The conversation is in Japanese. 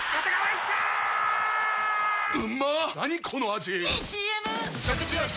⁉いいＣＭ！！